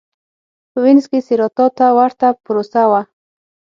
په وینز کې سېراتا ته ورته پروسه وه.